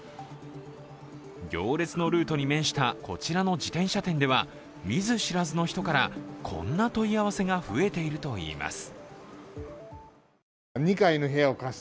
行列のルートに面したこちらの自転車店では、見ず知らずの人からこんな問い合わせが増えているといいます。